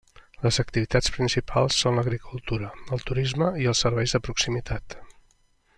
Les activitats principals són l'agricultura, el turisme i els serveis de proximitat.